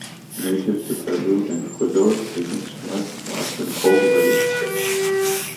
Native to Peru and Ecuador, they can survive frosts and cold weather.